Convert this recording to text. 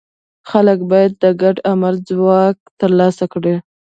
خلک باید د ګډ عمل ځواک ترلاسه کړي.